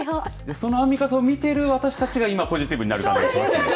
そのアンミカさんを見てる私たちがポジティブになったりしますね。